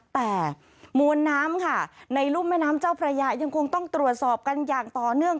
แต่มวลน้ำค่ะในรุ่มแม่น้ำเจ้าพระยายังคงต้องตรวจสอบกันอย่างต่อเนื่อง